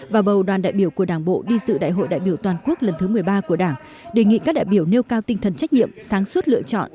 và bầu đoàn đại biểu của đảng bộ đi sự đại hội đại biểu toàn quốc lần thứ một mươi ba của đảng đề nghị các đại biểu nêu cao tinh thần trách nhiệm sáng suốt lựa chọn